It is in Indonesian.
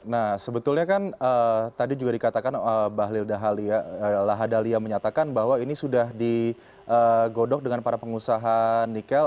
nah sebetulnya kan tadi juga dikatakan bahlil lahadalia menyatakan bahwa ini sudah digodok dengan para pengusaha nikel